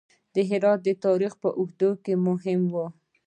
هرات د تاریخ په اوږدو کې مهم و